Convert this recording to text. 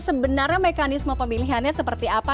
sebenarnya mekanisme pemilihannya seperti apa